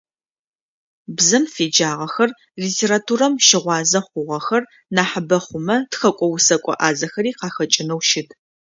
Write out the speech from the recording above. Бзэм феджагъэхэр, литературэм щыгъуазэ хъугъэхэр нахьыбэ хъумэ тхэкӏо-усэкӏо ӏазэхэри къахэкӀынэу щыт.